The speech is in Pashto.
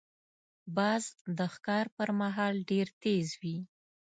باز د ښکار پر مهال ډېر تیز وي